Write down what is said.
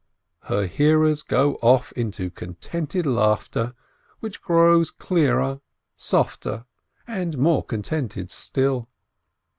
Her hearers go off into contented laughter, which grows clearer, softer, more contented still.